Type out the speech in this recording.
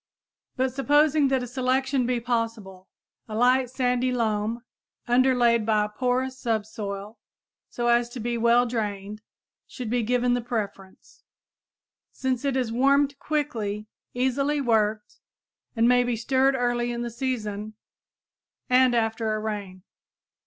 But supposing that a selection be possible, a light sandy loam, underlaid by a porous subsoil so as to be well drained, should be given the preference, since it is warmed quickly, easily worked, and may be stirred early in the season and after a rain.